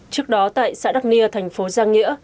trước đó tại xã đắc nia thành phố giang nghĩa